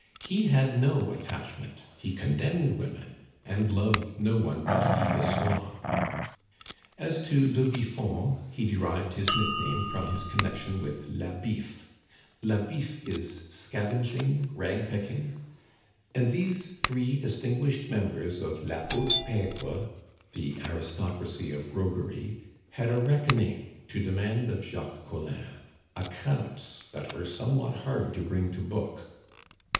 He had no attachment, he condemned women, and loved no one but Fil de Soie. As to le Biffon, he derived his nickname from his connection with la Biffe. (La Biffe is scavenging, rag picking.) And these three distinguished members of la haute pegre, the aristocracy of roguery, had a reckoning to demand of Jacques Collin, accounts that were somewhat hard to bring to book.